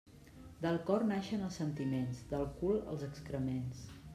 Del cor naixen els sentiments, del cul els excrements.